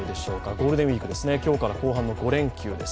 ゴールデンウイークです、今日から後半の５連休です。